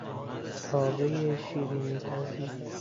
تاوهی شیرینی پزی